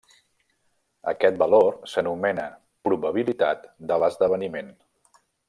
Aquest valor s'anomena probabilitat de l'esdeveniment.